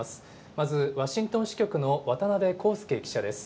まずワシントン支局の渡辺公介記者です。